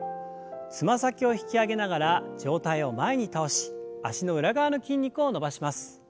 つま先を引き上げながら上体を前に倒し脚の裏側の筋肉を伸ばします。